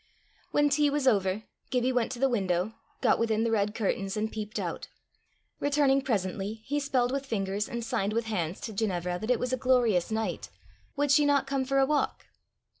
When tea was over, Gibbie went to the window, got within the red curtains, and peeped out. Returning presently, he spelled with fingers and signed with hands to Ginevra that it was a glorious night: would she not come for a walk?